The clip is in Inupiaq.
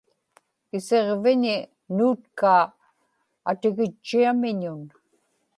isiġviñi nuutkaa atigitchiamiñun